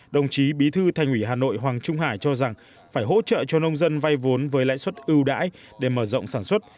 đồng chí bí thư thành ủy hà nội hoàng trung hải cho rằng phải hỗ trợ cho nông dân vay vốn với lãi suất ưu đãi để mở rộng sản xuất